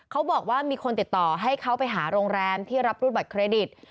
เขาบอกว่ามีคนติดต่อให้เขาไปหาโรงแรมที่รับรูดบัตรเครดิต